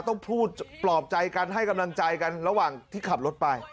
ต้องพูดปลอบใจกันให้กำลังใจกันระหว่างที่ขับรถไป